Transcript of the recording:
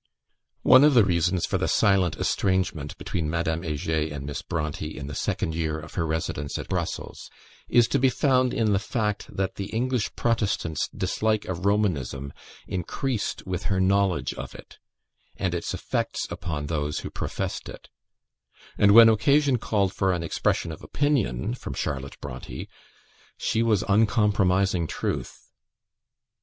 One of the reasons for the silent estrangement between Madame Heger and Miss Bronte, in the second year of her residence at Brussels, is to be found in the fact, that the English Protestant's dislike of Romanism increased with her knowledge of it, and its effects upon those who professed it; and when occasion called for an expression of opinion from Charlotte Bronte, she was uncompromising truth.